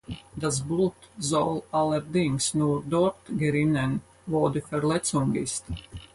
Das Blut soll allerdings nur dort gerinnen, wo die Verletzung ist.